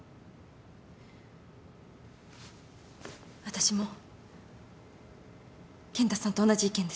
私も健太さんと同じ意見です。